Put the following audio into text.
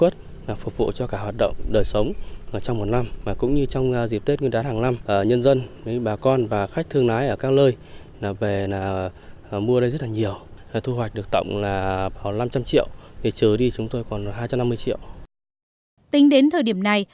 tính đến thời điểm này